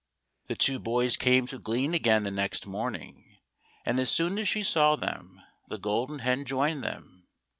The two boys came to glean again the next morn ing, and as soon as she saw them, the Golden Hen joined them.